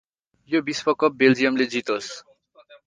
यो विश्वकप बेल्जियमले जितोस् ।